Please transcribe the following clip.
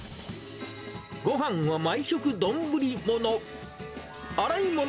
ごはんは毎食、丼物。